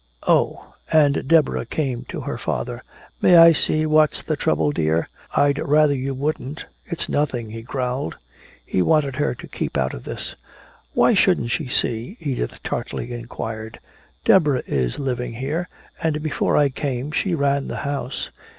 "Oh." And Deborah came to her father. "May I see what's the trouble, dear?" "I'd rather you wouldn't. It's nothing," he growled. He wanted her to keep out of this. "Why shouldn't she see?" Edith tartly inquired. "Deborah is living here and before I came she ran the house.